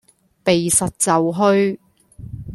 避實就虛